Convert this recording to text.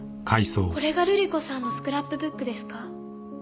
これが瑠璃子さんのスクラップブックですか？